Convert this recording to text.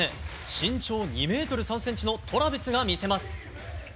身長２ｍ３ｃｍのトラビスが魅せます。